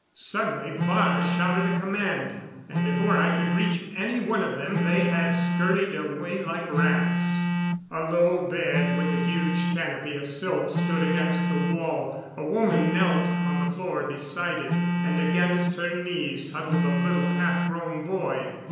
Suddenly Baar shouted a command, and before I could reach any one of them they had scurried away like rats. A low bed with a huge canopy of silk stood against the wall. A woman knelt on the floor beside it, and against her knees huddled a little half grown boy.